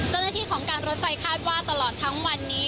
เจ้าหน้าที่ของการรถไฟคาดว่าตลอดทั้งวันนี้